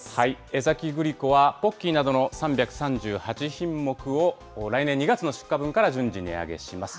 江崎グリコは、ポッキーなどの３３８品目を来年２月の出荷分から順次、値上げします。